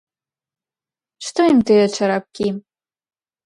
Што ім тыя чарапкі?